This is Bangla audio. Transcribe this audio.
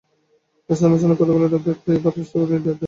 স্থানে স্থানে কতকগুলা ভেক গায়ে গায়ে স্তূপাকার হইয়া নিদ্রা দিতেছে।